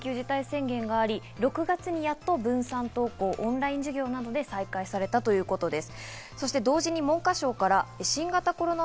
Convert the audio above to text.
そして４月には１回目の緊急事態宣言があり、やっと６月に分散登校、オンライン授業などで再開されたということです。